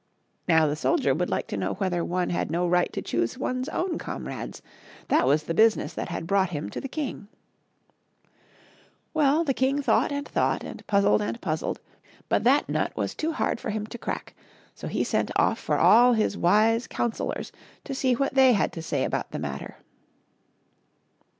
Now, the soldier would like to know whether one had no right to choose one's own comrades — that was the business that had brought him to the king! Well, the king thought and thought and puzzled and puzzled, but that be %ta«t ifeoU^in: bdngtti^ 32 HOW ONE TURNED HIS TROUBLE TO SOME ACCOUNT. nut was too hard for him to crack, so he sent off for all of his wise coundL lors to see what they had to say about the matter.